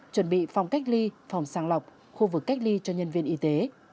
chuẩn bị phòng cách ly phòng sàng lọc khu vực cách ly cho nhân viên y tế